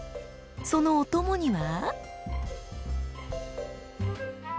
そのお供には？